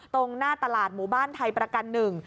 ตรงหน้าตลาดหมู่บ้านไทยประกันหนึ่ง